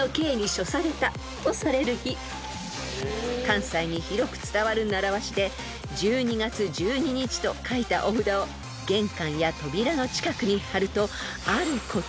［関西に広く伝わる習わしで「十二月十二日」と書いたお札を玄関や扉の近くに張ると］